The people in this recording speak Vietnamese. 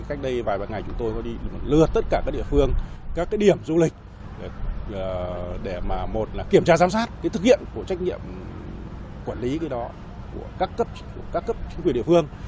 các điểm du lịch để kiểm tra giám sát thực hiện trách nhiệm quản lý của các cấp chính quyền địa phương